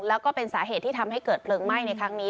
แล้วก็เป็นสาเหตุที่ทำให้เกิดเพลิงไหม้ในครั้งนี้